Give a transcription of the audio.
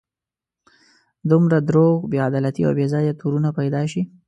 دومره دروغ، بې عدالتي او بې ځایه تورونه پیدا شي.